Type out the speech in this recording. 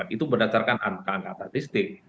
itu berdasarkan angka angka statistik